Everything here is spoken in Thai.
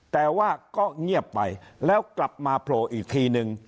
แต่ว่าก็เงียบไปแล้วกลับมาโผล่อีกทีนึง